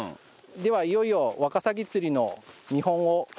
ではいよいよワカサギ釣りの見本を見せたいと思います。